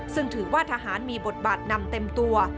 ซึ่งถือว่าทหารมีบทบาทนำเต็มตัว